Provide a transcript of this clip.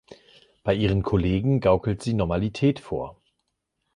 Bei ihren Kollegen gaukelt sie Normalität vor.